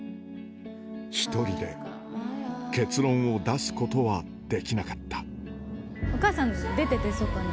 １人で結論を出すことはできなかお母さん出てて、外に。